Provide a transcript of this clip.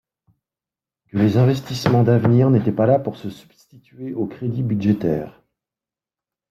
que les investissements d’avenir n’étaient pas là pour se substituer aux crédits budgétaires.